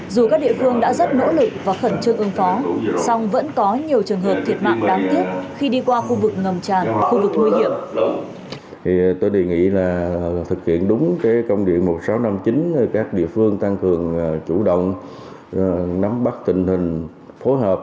dù các địa phương đã rất nỗ lực và khẩn trương ưng phó song vẫn có nhiều trường hợp thiệt mạng đáng tiếc khi đi qua khu vực ngầm tràn khu vực nguy hiểm